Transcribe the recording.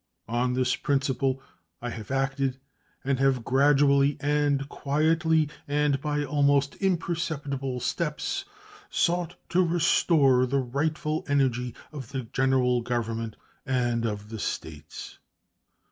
On this principle I have acted, and have gradually and quietly, and by almost imperceptible steps, sought to restore the rightful energy of the General Government and of the States.